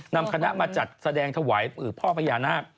นำคณะมาจัดแสดงถวายพ่อพญานาค